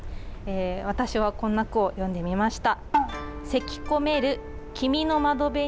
私はこんな句を詠んでみました。